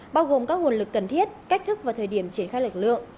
bao gồm các nguồn lực cần thiết cách thức và thời điểm triển khai lực lượng